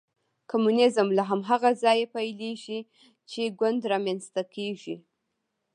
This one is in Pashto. کمونیزم له هماغه ځایه پیلېږي چې ګوند رامنځته کېږي.